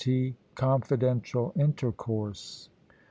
CONFIDENTIAL INTERCOURSE.